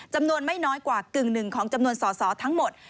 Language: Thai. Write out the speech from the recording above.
จำนวนไม่น้อยกว่ากึ่งหนึ่งของจำนวนสอสอทั้งหมด